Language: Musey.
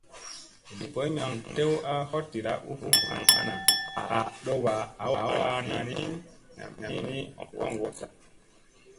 Lini boy mi aŋ tew a hoɗ ɗiɗa u vunun ana aa ɗowɓa hawaa nani nam mi hoŋgo zak.